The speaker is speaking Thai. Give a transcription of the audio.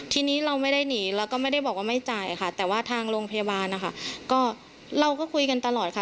ทีนี้เราไม่ได้หนีแล้วก็ไม่ได้บอกว่าไม่จ่ายค่ะแต่ว่าทางโรงพยาบาลนะคะก็เราก็คุยกันตลอดค่ะ